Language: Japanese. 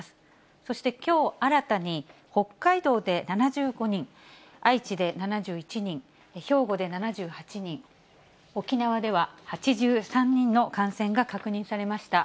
そして、きょう新たに北海道で７５人、愛知で７１人、兵庫で７８人、沖縄では８３人の感染が確認されました。